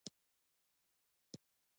ښارونه د افغانستان د ټولنې لپاره بنسټیز دي.